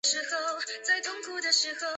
黄长筒石蒜是石蒜科石蒜属的变种。